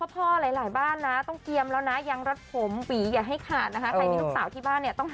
สวัสดีครับ